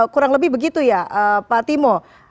kurang lebih begitu ya pak timo